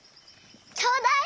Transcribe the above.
ちょうだい！